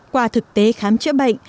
qua thực tế khám chữa bệnh